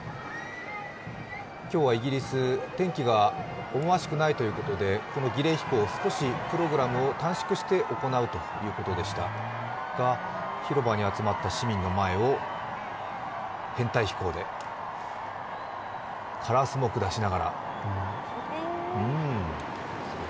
今日はイギリス、天気が思わしくないということで、この儀礼飛行、少しプログラムを短縮して行うということでしたが広場に集まった市民の前を編隊飛行でカラースモーク出しながら。